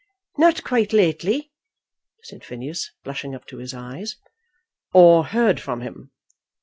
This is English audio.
"Not quite lately," said Phineas, blushing up to his eyes. "Or heard from him?"